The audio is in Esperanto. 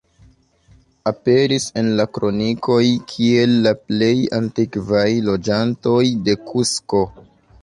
Aperis en la kronikoj kiel la plej antikvaj loĝantoj de Kusko.